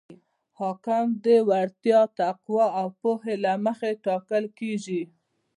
حاکم د وړتیا، تقوا او پوهې له مخې ټاکل کیږي.